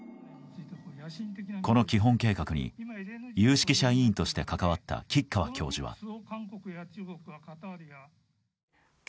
この基本計画に有識者委員として関わった橘川教授は。